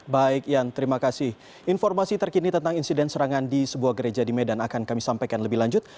baik yan terima kasih informasi terkini tentang insiden serangan di sebuah gereja di medan akan kami sampaikan lebih lanjut